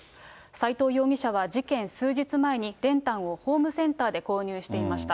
斎藤容疑者は事件数日前に、練炭をホームセンターで購入していました。